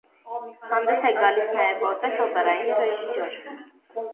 Հանդես է գալիս նաև որպես օպերային ռեժիսոր։